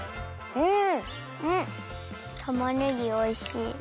うん。